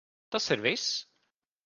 Tas ir viss?